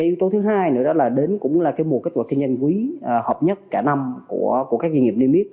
yếu tố thứ hai nữa là đến mùa kết quả kinh doanh quý hợp nhất cả năm của các doanh nghiệp limit